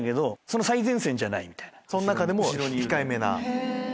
その中でも控えめな。